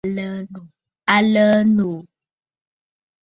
A lə̀ə̀ noò.